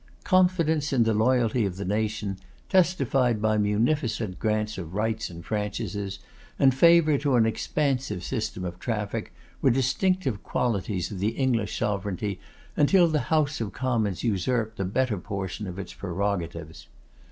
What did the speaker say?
Confidence in the loyalty of the nation, testified by munificent grants of rights and franchises, and favour to an expansive system of traffic, were distinctive qualities of the English sovereignty, until the House of Commons usurped the better portion of its prerogatives.